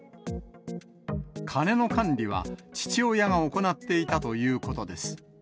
金の管理は父親が行っていたということです。